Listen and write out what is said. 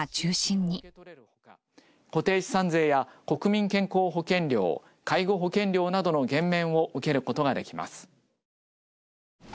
「固定資産税や国民健康保険料介護保険料などの減免を受けることができます」。